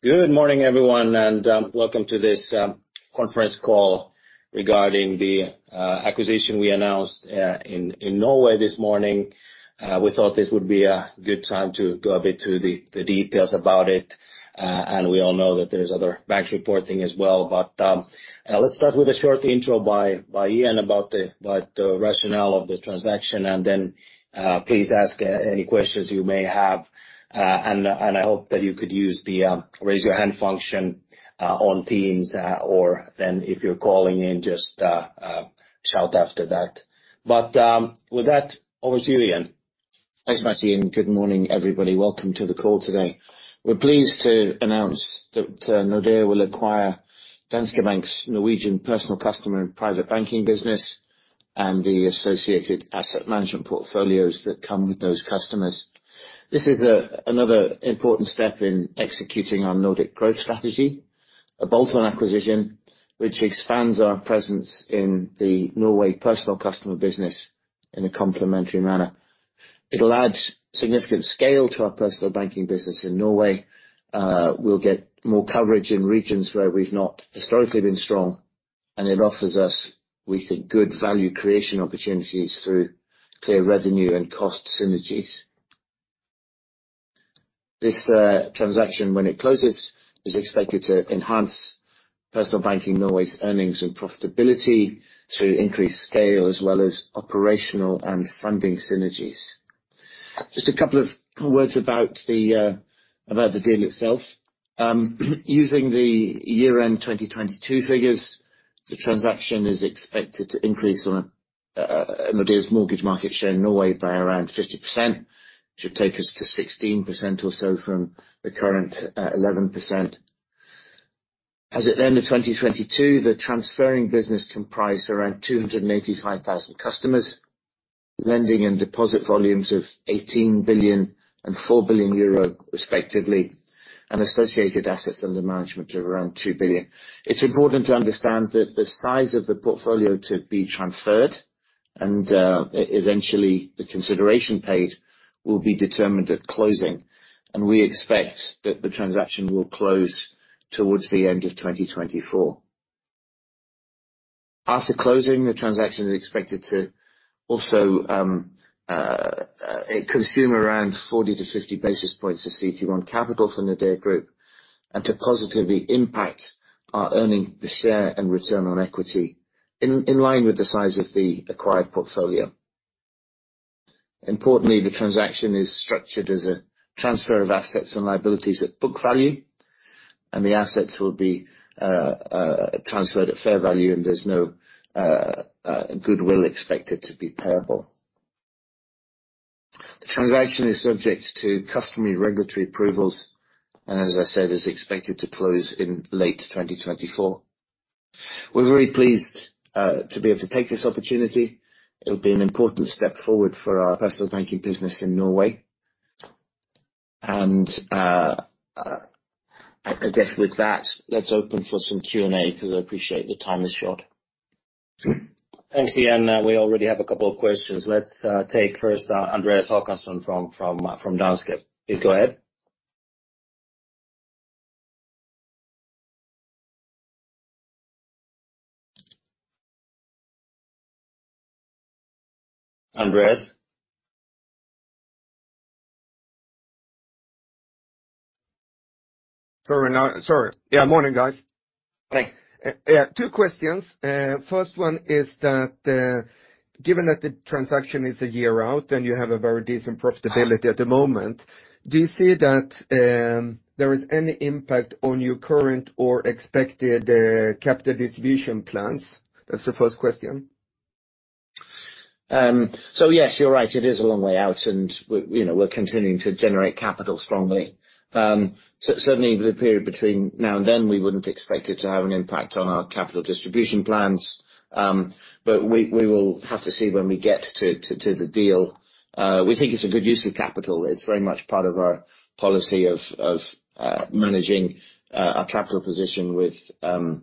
Good morning, everyone, and welcome to this conference call regarding the acquisition we announced in Norway this morning. We thought this would be a good time to go a bit to the details about it, and we all know that there is other banks reporting as well. Let's start with a short intro by Ian about the rationale of the transaction, and then please ask any questions you may have. And I hope that you could use the raise your hand function on Teams, or then if you're calling in, just shout after that. With that, over to you, Ian. Thanks, Matti. Good morning, everybody. Welcome to the call today. We're pleased to announce that Nordea will acquire Danske Bank's Norwegian personal customer and private banking business, and the associated asset management portfolios that come with those customers. This is another important step in executing our Nordic growth strategy, a bolt-on acquisition, which expands our presence in the Norway personal customer business in a complementary manner. It'll add significant scale to our personal banking business in Norway. We'll get more coverage in regions where we've not historically been strong, and it offers us, we think, good value creation opportunities through clear revenue and cost synergies. This transaction, when it closes, is expected to enhance personal banking, Norway's earnings and profitability through increased scale, as well as operational and funding synergies. Just a couple of words about the deal itself. Using the year-end 2022 figures, the transaction is expected to increase on a Nordea's mortgage market share in Norway by around 50%. Should take us to 16% or so from the current 11%. As at the end of 2022, the transferring business comprised around 285,000 customers, lending and deposit volumes of 18 billion and 4 billion euro, respectively, and associated assets under management of around 2 billion. It's important to understand that the size of the portfolio to be transferred, and eventually, the consideration paid, will be determined at closing, and we expect that the transaction will close towards the end of 2024. After closing, the transaction is expected to also consume around 40 to 50 basis points of CET1 capital from Nordea Group and to positively impact our earnings per share and return on equity, in line with the size of the acquired portfolio. Importantly, the transaction is structured as a transfer of assets and liabilities at book value, and the assets will be transferred at fair value, and there's no goodwill expected to be payable. The transaction is subject to customary regulatory approvals, as I said, is expected to close in late 2024. We're very pleased to be able to take this opportunity. It'll be an important step forward for our personal banking business in Norway. I guess with that, let's open for some Q&A, because I appreciate the time is short. Thanks, Ian. We already have a couple of questions. Let's take first, Anders Håkansson from Danske. Please go ahead. Anders? Sorry. Morning, guys. Hi. Yeah, two questions. First one is that, given that the transaction is one year out, and you have a very decent profitability at the moment, do you see that there is any impact on your current or expected, capital distribution plans? That's the First question. Yes, you're right. It is a long way out, and you know, we're continuing to generate capital strongly. Certainly the period between now and then, we wouldn't expect it to have an impact on our capital distribution plans. We, we will have to see when we get to the deal. We think it's a good use of capital. It's very much part of our policy of managing our capital position with capital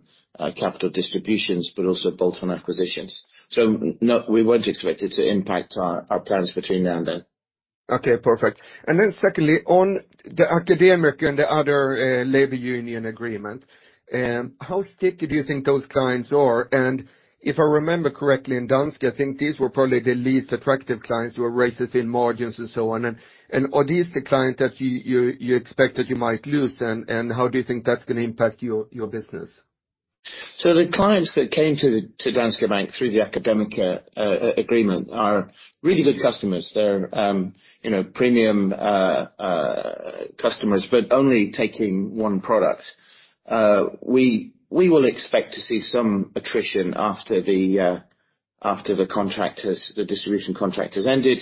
distributions, but also bolt-on acquisitions. No, we won't expect it to impact our plans between now and then. Okay, perfect. Secondly, on the Akademikerne and the other labor union agreement, how sticky do you think those clients are? If I remember correctly, in Danske, I think these were probably the least attractive clients who were richest in margins and so on. Are these the clients that you expect that you might lose, and how do you think that's going to impact your business? The clients that came to Danske Bank through the Akademikerne agreement are really good customers. They're, you know, premium customers, but only taking one product. We will expect to see some attrition after the distribution contract has ended.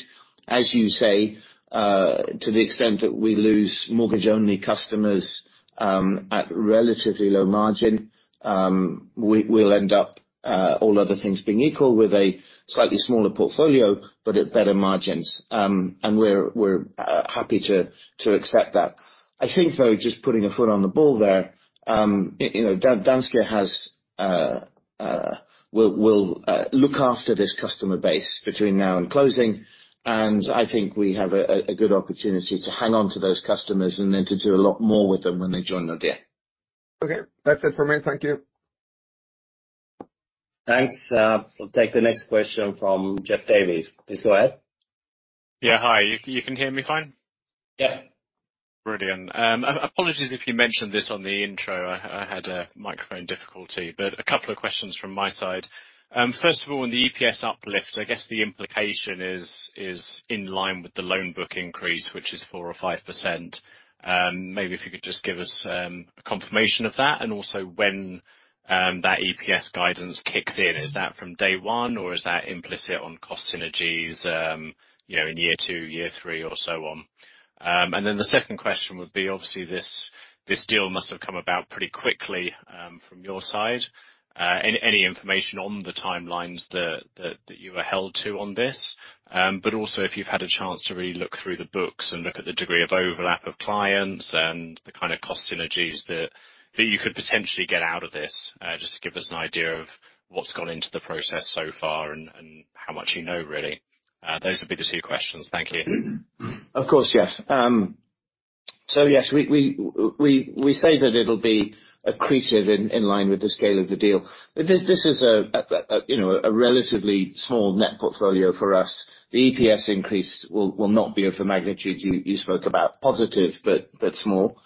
As you say, to the extent that we lose mortgage-only customers, at relatively low margin, we'll end up, all other things being equal, with a slightly smaller portfolio, but at better margins. We're happy to accept that. I think though, just putting a foot on the ball there, you know, Danske has will look after this customer base between now and closing, and I think we have a good opportunity to hang on to those customers and then to do a lot more with them when they join Nordea. Okay. That's it for me. Thank you. Thanks. We'll take the next question from Jennifer Davies. Please go ahead. Hi. You can hear me fine? Yeah. Brilliant. Apologies if you mentioned this on the intro, I had a microphone difficulty, but a couple of questions from my side. First of all, on the EPS uplift, I guess the implication is in line with the loan book increase, which is 4% or 5%. Maybe if you could just give us a confirmation of that, and also when that EPS guidance kicks in. Is that from day one, or is that implicit on cost synergies, you know, in year two, year three, or so on? Then the second question would be, obviously, this deal must have come about pretty quickly from your side. Any information on the timelines that you were held to on this? If you've had a chance to really look through the books and look at the degree of overlap of clients and the kind of cost synergies that you could potentially get out of this, just to give us an idea of what's gone into the process so far and how much you know, really. Those would be the two questions. Thank you. Of course, yes. Yes, we say that it'll be accretive in line with the scale of the deal. This is a, you know, a relatively small net portfolio for us. The EPS increase will not be of the magnitude you spoke about. Positive, but small.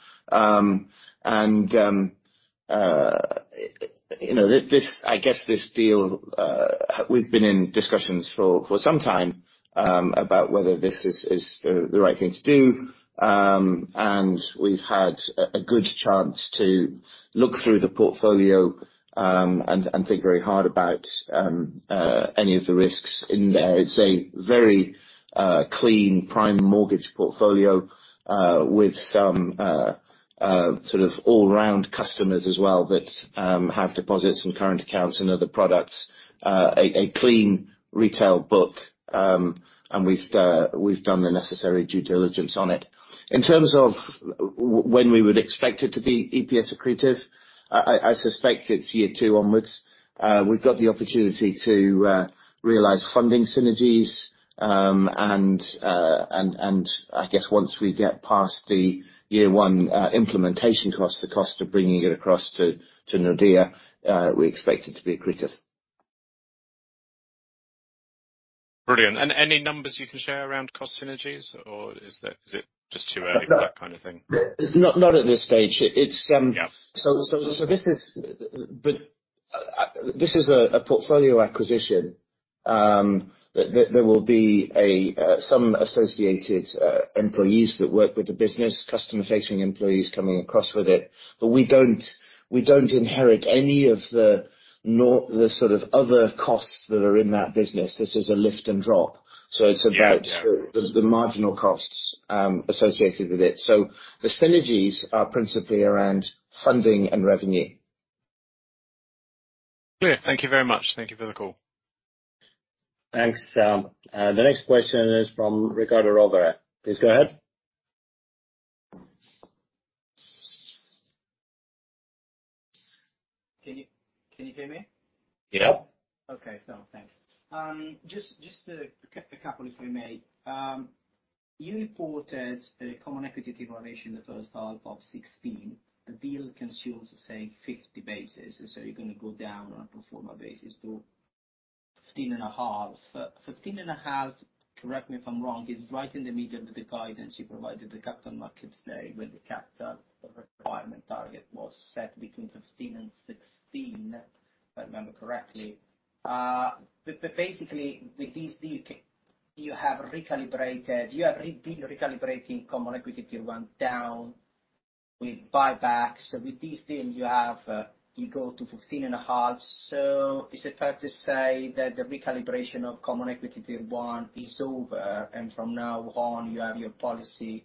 You know, this I guess, this deal, we've been in discussions for some time about whether this is the right thing to do. We've had a good chance to look through the portfolio and think very hard about any of the risks in there. It's a very clean, prime mortgage portfolio with some sort of all-round customers as well, that have deposits and current accounts and other products. A clean retail book. We've done the necessary due diligence on it. In terms of when we would expect it to be EPS accretive, I suspect it's year two onwards. We've got the opportunity to realize funding synergies. And I guess once we get past the year one implementation cost, the cost of bringing it across to Nordea, we expect it to be accretive. Brilliant. Any numbers you can share around cost synergies, or is that, is it just too early for that kind of thing? Not at this stage. It's. Yeah. This is a portfolio acquisition, that there will be some associated employees that work with the business, customer-facing employees coming across with it. We don't inherit any of the sort of other costs that are in that business. This is a lift and drop. Yeah, yeah. It's about the marginal costs, associated with it. The synergies are principally around funding and revenue. Clear. Thank you very much. Thank you for the call. Thanks, the next question is from Riccardo Rovere. Please go ahead. Can you hear me? Yep. Okay, thanks. Just a couple, if I may. You reported a common equity ratio in the first half of 16. The deal consumes, say, 50 basis, you're gonna go down on a pro forma basis to 15.5. 15.5, correct me if I'm wrong, is right in the middle of the guidance you provided the Capital Markets Day, when the capital requirement target was set between 15 and 16, if I remember correctly. Basically, with this deal, you have recalibrated. You have been recalibrating Common Equity Tier 1 down with buybacks. With this deal, you have, you go to 15.5. Is it fair to say that the recalibration of Common Equity Tier 1 is over, and from now on, you have your policy,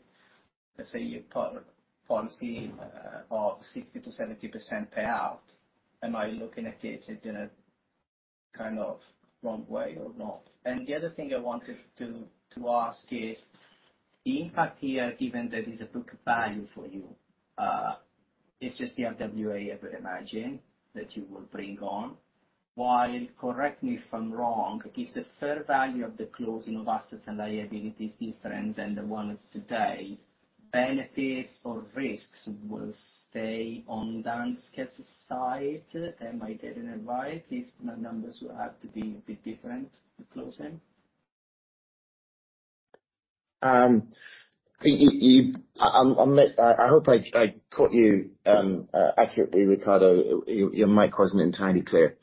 let's say, your policy of 60%-70% payout? Am I looking at it in a kind of wrong way or not? The other thing I wanted to ask is, the impact here, given that is a book value for you, it's just the RWA, I would imagine, that you will bring on. While, correct me if I'm wrong, if the fair value of the closing of assets and liabilities is different than the one today, benefits or risks will stay on Danske's side. Am I getting it right, if the numbers will have to be a bit different at closing? You I hope I caught you accurately, Riccardo. Your mic wasn't entirely clear.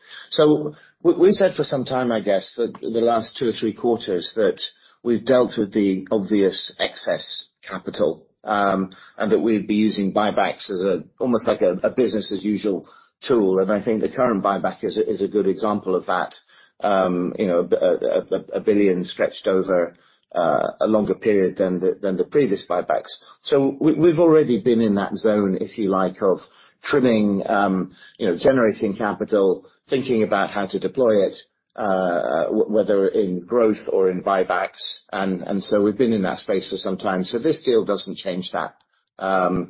We said for some time, I guess, that the last two or three quarters, that we've dealt with the obvious excess capital, and that we'd be using buybacks as a, almost like a business as usual tool. I think the current buyback is a good example of that. You know, 1 billion stretched over a longer period than the previous buybacks. We've already been in that zone, if you like, of trimming, you know, generating capital, thinking about how to deploy it, whether in growth or in buybacks, and so we've been in that space for some time. This deal doesn't change that. I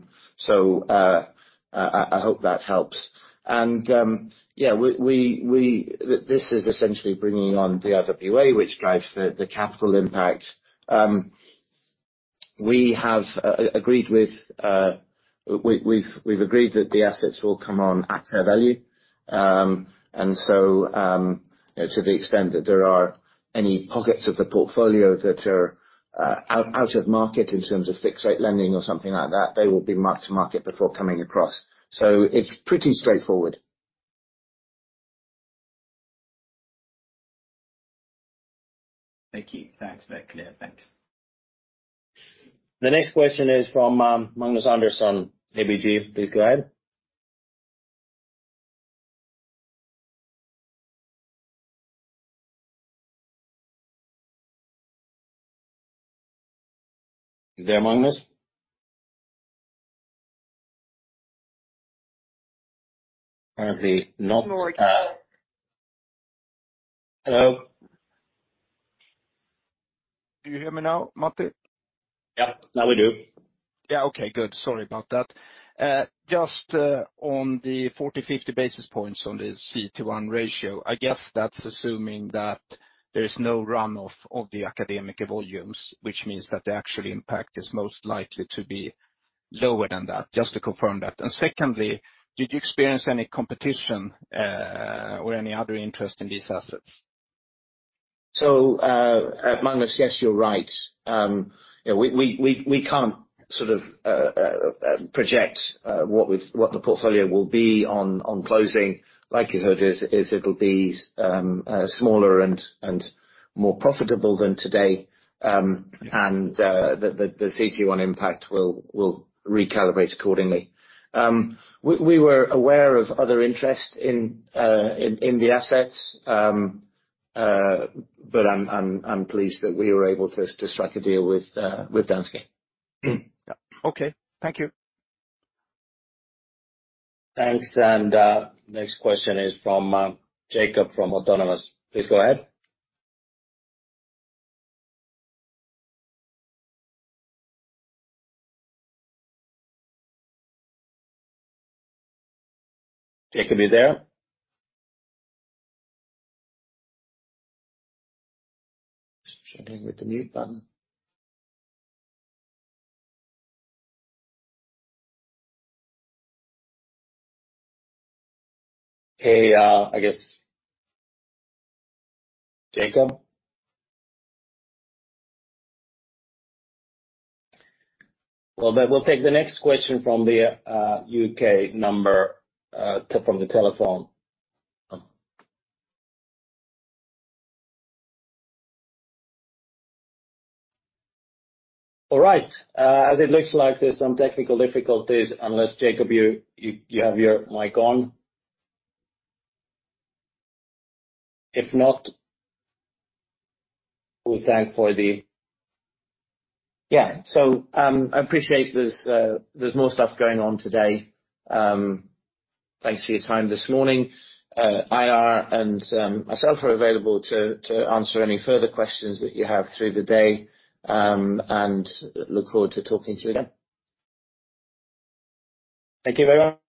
hope that helps. Yeah, this is essentially bringing on the RWA, which drives the capital impact. We have agreed with. We've agreed that the assets will come on at their value. To the extent that there are any pockets of the portfolio that are out of market in terms of fixed-rate lending or something like that, they will be mark-to-market before coming across. It's pretty straightforward. Thank you. Thanks. Very clear. Thanks. The next question is from Magnus Andersson, ABG. Please go ahead. Is there a Magnus? Apparently not. Hello? Do you hear me now, Matti? Yep, now we do. Yeah, okay, good. Sorry about that. Just on the 40-50 basis points on the CET1 ratio, I guess that's assuming that there is no run-off of the academic volumes, which means that the actual impact is most likely to be lower than that. Just to confirm that. Secondly, did you experience any competition, or any other interest in these assets? Magnus, yes, you're right. Yeah, we can't sort of project what the portfolio will be on closing. Likelihood is, it'll be smaller and more profitable than today. And the CET1 impact will recalibrate accordingly. We were aware of other interest in the assets. But I'm pleased that we were able to strike a deal with Danske. Okay. Thank you. Thanks. Next question is from Jakob, from Autonomous. Please go ahead. Jakob, are you there? Just checking with the mute button. Okay, I guess Jakob? We'll take the next question from the UK number from the telephone. All right. As it looks like there's some technical difficulties, unless, Jakob, you have your mic on? If not, we thank for the. I appreciate there's more stuff going on today. Thanks for your time this morning. IR and myself are available to answer any further questions that you have through the day, and look forward to talking to you again. Thank you very much.